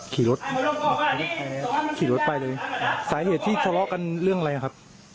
ขี่รถขี่รถไปเลยสาเหตุที่ทะเลาะกันเรื่องอะไรครับ